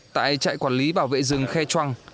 tại trại quản lý bảo vệ rừng khe chuang